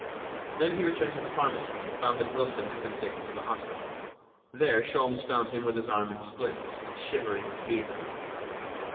Then he returned to the pharmacy and found that Wilson had been taken to the hospital. There Sholmes found him with his arm in splints, and shivering with fever.